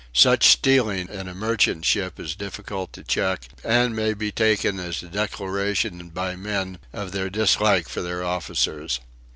Such stealing in a merchant ship is difficult to check, and may be taken as a declaration by men of their dislike for their officers.